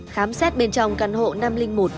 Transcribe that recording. khám xét bên trong căn hộ năm trăm linh một